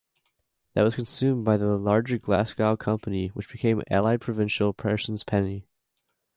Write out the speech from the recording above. That was consumed by the larger Glasgow company which became Allied Provincial Parsons Penney.